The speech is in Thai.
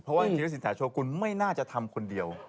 เพราะว่านางฯสินสายโชคกุลไม่น่าจะทำคนเดียว